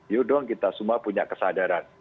yuk dong kita semua punya kesadaran